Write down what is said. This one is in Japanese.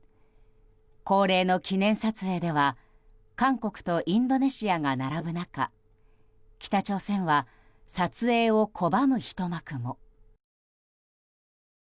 恒例の記念撮影では韓国とインドネシアが並ぶ中北朝鮮は撮影を拒む、ひと幕も。